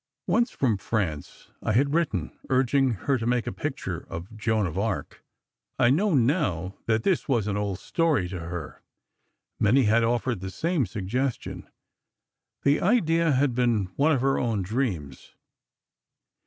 Once, from France I had written urging her to make a picture of Joan of Arc. I know now that this was an old story to her; many had offered the same suggestion—the idea had been one of her own dreams.